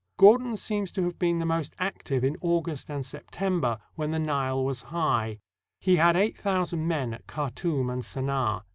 Gordon seems to have been the most active in August and September, when the Nile was high. He had eight thousand men at Khartoum and Senaar.